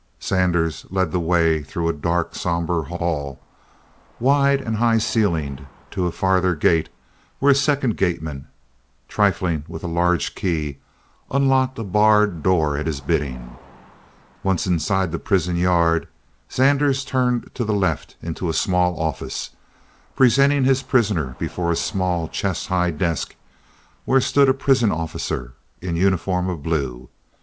Zanders led the way through a dark, somber hall, wide and high ceiled, to a farther gate, where a second gateman, trifling with a large key, unlocked a barred door at his bidding. Once inside the prison yard, Zanders turned to the left into a small office, presenting his prisoner before a small, chest high desk, where stood a prison officer in uniform of blue.